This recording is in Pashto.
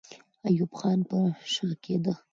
ایوب خان پر شا کېده.